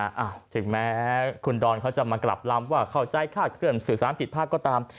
ถึงแม้คุณดอนเขาจะมากลับลำว่าเข้าใจคาดเคลื่อนสื่อสารผิดพลาดก็ตาม